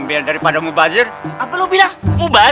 iji jai bajai deh gue